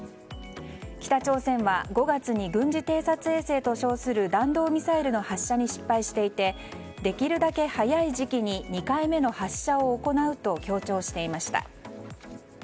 北朝鮮は５月に軍事偵察衛星と称する弾道ミサイルの発射に失敗していてできるだけ早い時期に２回目の発射を行うと強調していました。